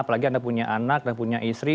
apalagi anda punya anak dan punya istri